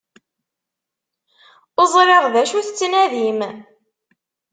Ur ẓriɣ d acu tettnadim.